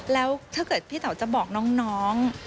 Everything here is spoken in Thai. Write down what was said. แล้วถ้าเกิดพี่เต๋าจะบอกน้อง